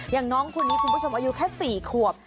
อย่างน้องคนนี้คุณผู้ชมอายุแค่๔ขวบ